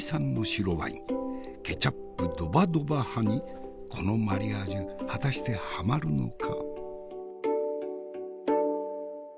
ケチャップどばどば派にこのマリアージュ果たしてはまるのか？